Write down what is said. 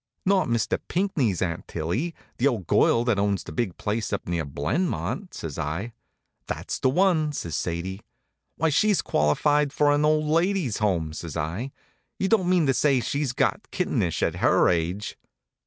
"Not Mr. Pinckney's Aunt Tillie, the old girl that owns the big place up near Blenmont?" says I. "That's the one," says Sadie. "Why she's qualified for an old ladies' home," says I. "You don't mean to say she's got kittenish at her age."